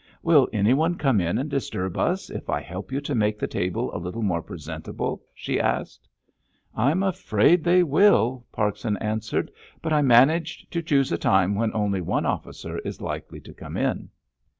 "Will anyone come in and disturb us if I help you to make the table a little more presentable?" she asked. "I'm afraid they will," Parkson answered. "But I managed to choose a time when only one officer is likely to come in."